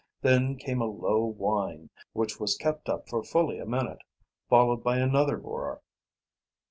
Then came a low whine, which was kept up for fully a minute, followed by another roar.